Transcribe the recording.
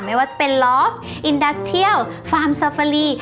ไม่ว่าจะเป็นลอฟอินดักเทียลฟาร์มซาฟาลี